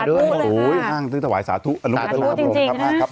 อุ๊ยห้างซื้อถวายสาธุสาธุจริงครับ